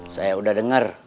saya udah denger